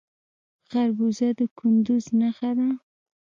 خربوزه د کندز نښه ده.